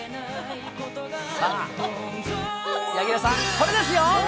さあ、柳楽さん、これですよ。